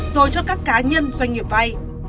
rồi cho các cá nhân doanh nghiệp vay